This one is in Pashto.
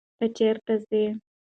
ته چیرته ځې.